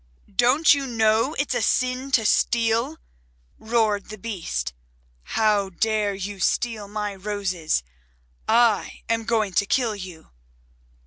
"Don't you know it's a sin to steal?" roared the Beast. "How dare you steal my roses? I am going to kill you."